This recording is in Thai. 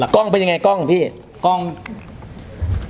กล้องเป็นยังไงกล้องของพี่